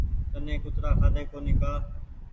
تني ڪترآ کآۮي ڪونيٚ ڪآ